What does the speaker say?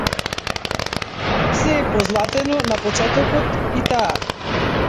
Сѐ е позлатено, на почетокот и таа.